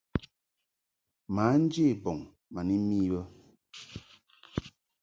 Mǎ nje bɔŋ ma ni mi bə.